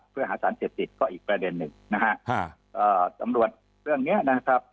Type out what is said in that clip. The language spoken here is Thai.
เพื่อหาสารเสพติดก็อีกประเด็นหนึ่งนะฮะเอ่อตำรวจเรื่องเนี้ยนะครับ